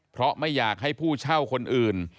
เพราะไม่อยากให้ผู้เช่าคนอื่น